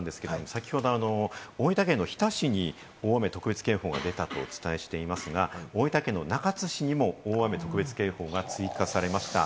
先ほど大分県の日田市に大雨特別警報が出たとお伝えしていますが、大分県の中津市にも大雨特別警報が追加されました。